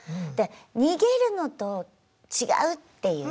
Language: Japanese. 逃げるのと違うっていうね。